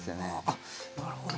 あっなるほど。